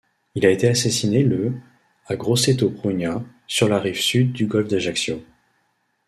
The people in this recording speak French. Il a été assassiné le à Grosseto-Prugna, sur la rive sud du golfe d'Ajaccio.